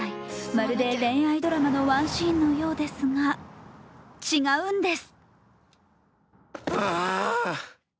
まるで恋愛ドラマのワンシーンのようですが、違うんです。